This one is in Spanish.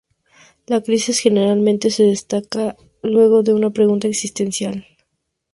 La crisis generalmente se desata luego de una pregunta existencial.